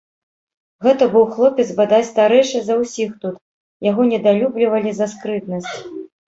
Гэта быў хлопец бадай старэйшы за ўсіх тут, яго недалюблівалі за скрытнасць.